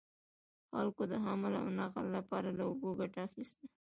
خلکو د حمل او نقل لپاره له اوبو ګټه اخیسته.